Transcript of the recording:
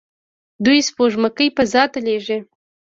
دوی سپوږمکۍ فضا ته لیږي.